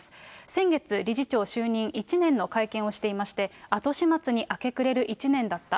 先月、理事長就任１年の会見をしていまして、後始末に明け暮れる一年だった。